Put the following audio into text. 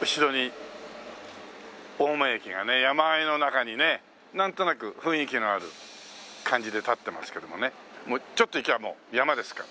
後ろに青梅駅がね山あいの中にねなんとなく雰囲気のある感じで立ってますけどもねもうちょっと行けばもう山ですから。